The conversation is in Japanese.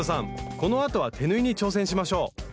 このあとは手縫いに挑戦しましょう！